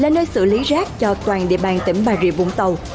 là nơi xử lý rác cho toàn địa bàn tỉnh bà rịa vũng tàu